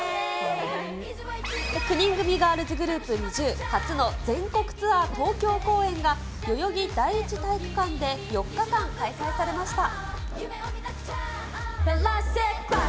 ９人組ガールズグループ、ＮｉｚｉＵ初の全国ツアー東京公演が、代々木第一体育館で４日間開催されました。